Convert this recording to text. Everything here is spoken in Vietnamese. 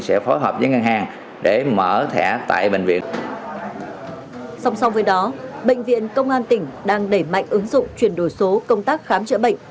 song song với đó bệnh viện công an tỉnh đang đẩy mạnh ứng dụng chuyển đổi số công tác khám chữa bệnh